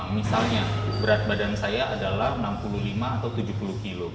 misalnya berat badan saya adalah enam puluh lima atau tujuh puluh kg